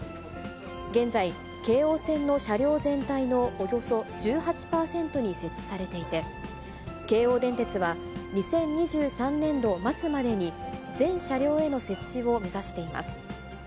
現在、京王線の車両全体のおよそ１８％に設置されていて、京王電鉄は、２０２３年度末までに、全車両への設置を目指しています。